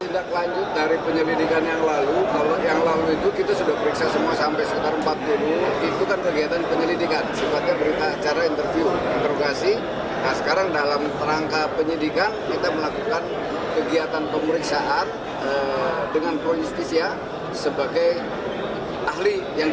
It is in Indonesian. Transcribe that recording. dengan polisi rizik syihab sebagai ahli yang ditujuk dari pelapor